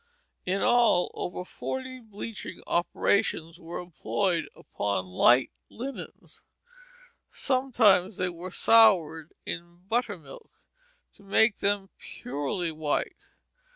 In all, over forty bleaching operations were employed upon "light linens." Sometimes they were "soured" in buttermilk to make them purely white.